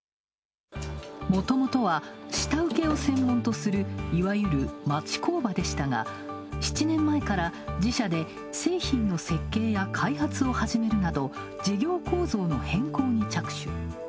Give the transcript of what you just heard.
もともとは、下請けを専門とするいわゆる町工場でしたが７年前から自社で製品の設計や開発を始めるなど事業構造の変更に着手。